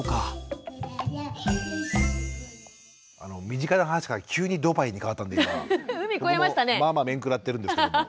身近な話から急にドバイに変わったんでまあまあ面食らってるんですけども。